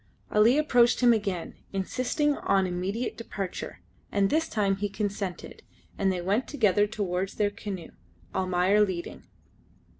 Ali approached him again, insisting on immediate departure, and this time he consented, and they went together towards their canoe, Almayer leading.